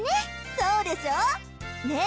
そうでしょ？ねぇ